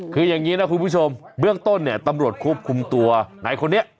คืออย่างนี้นะคุณผู้ชมเบื้องต้นเนี่ยตำรวจควบคุมตัวนายคนนี้